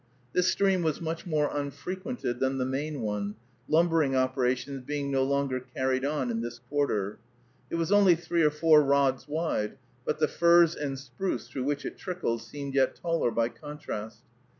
This stream was much more unfrequented than the main one, lumbering operations being no longer carried on in this quarter. It was only three or four rods wide, but the firs and spruce through which it trickled seemed yet taller by contrast.